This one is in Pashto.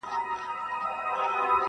توپان نه وو اسماني توره بلا وه -